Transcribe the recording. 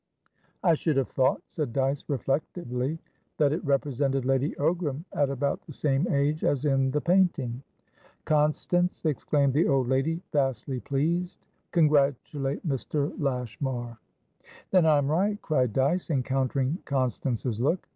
"I should have thought," said Dyce, reflectively, "that it represented Lady Ogram at about the same age as in the painting." "Constance," exclaimed the old lady, vastly pleased, "congratulate Mr. Lashmar." "Then I am right," cried Dyce, encountering Constance's look.